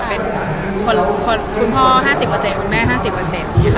เป็นคนคุณพ่อห้าสิบเปอร์เซตคุณแม่ห้าสิบเปอร์เซต